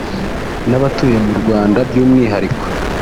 n’abatuye mu Rwanda by’umwihariko